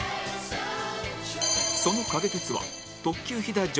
その影鉄は特急ひだ